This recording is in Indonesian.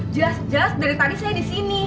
jelas jelas dari tadi saya di sini